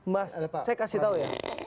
mas saya kasih tahu ya